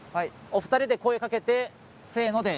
お二人で声かけてせので。